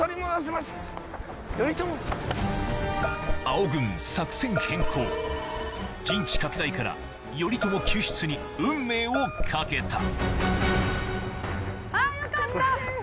青軍作戦変更陣地拡大から頼朝救出に運命を懸けたあよかった！